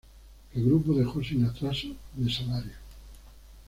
El grupo dejó sin atrasos de salarios.